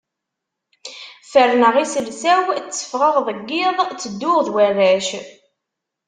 Ferrneɣ iselsa-w, tteffɣeɣ deg yiḍ, ttedduɣ d warrac.